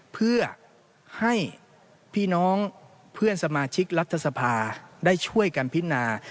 เพื่อให้พี่น้องเพื่อนสมาชิกรัฐสภาได้ช่วยกันพินา